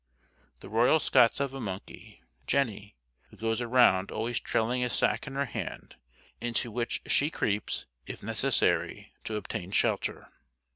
The Royal Scots have a monkey, Jenny, who goes around always trailing a sack in her hand, into which she creeps if necessary to obtain shelter.